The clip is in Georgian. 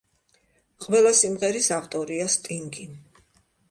ყველა სიმღერის ავტორია სტინგი.